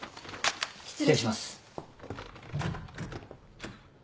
失礼します。